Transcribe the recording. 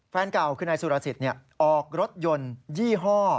แฟนเก่าคือนายสุรสิทธิ์ออกรถยนต์ยี่ห้อ